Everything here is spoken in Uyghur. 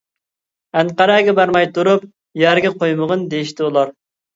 -ئەنقەرەگە بارماي تۇرۇپ يەرگە قويمىغىن-دېيىشتى ئۇلار.